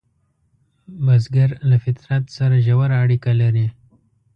بزګر له فطرت سره ژور اړیکه لري